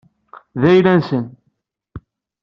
D ayla-nsen.